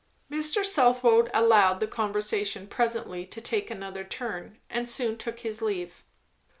Mr. Southwode allowed the conversation presently to take another turn, and soon took his leave.